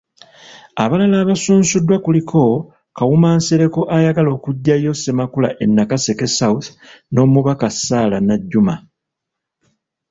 Abalala abasunsuddwa kuliko; Kawuma Nsereko ayagala okuggyayo Ssemakula e Nakaseke South, n'Omubaka Sarah Najjuma.